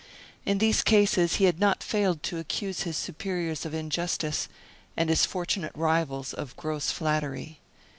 In these cases he had not failed to accuse his superiors of injustice, and his fortunate rivals of gross flattery.